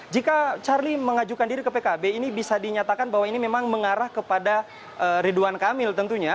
jika charlie mengajukan diri ke pkb ini bisa dinyatakan bahwa ini memang mengarah kepada ridwan kamil tentunya